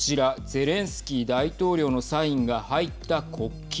ゼレンスキー大統領のサインが入った国旗。